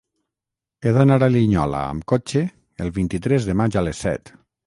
He d'anar a Linyola amb cotxe el vint-i-tres de maig a les set.